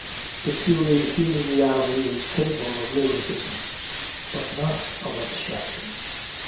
The purely human reality is capable of lyrism but not of abstraction.